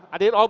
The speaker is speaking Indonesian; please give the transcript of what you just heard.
ada yang obat